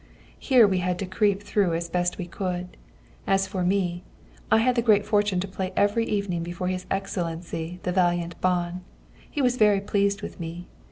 Here we had to creep through as best we could. As for me, I had the good fortune to play every evening before his Excellency the valiant Ban. He was very pleased with me.